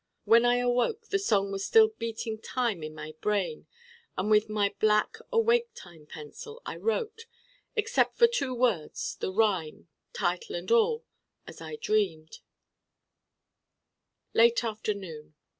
When I awoke the song was still beating time in my brain. And with my black awake time pencil I wrote, except for two words, the rhyme, title and all, as I dreamed: LATE AFTERNOON.